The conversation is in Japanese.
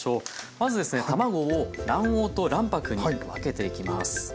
まずですね卵を卵黄と卵白に分けていきます。